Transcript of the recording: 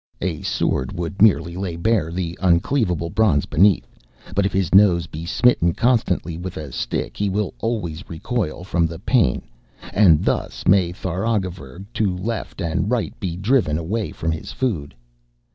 A sword would merely lay bare the uncleavable bronze beneath, but if his nose be smitten constantly with a stick he will always recoil from the pain, and thus may Tharagavverug, to left and right, be driven away from his food.'